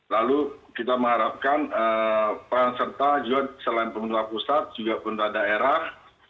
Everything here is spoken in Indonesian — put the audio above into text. lalu kita mengharapkan para peserta juga selain pemerintah pusat juga pemerintah daerah